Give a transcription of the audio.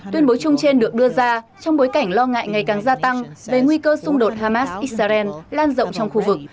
tuyên bố chung trên được đưa ra trong bối cảnh lo ngại ngày càng gia tăng về nguy cơ xung đột hamas israel lan rộng trong khu vực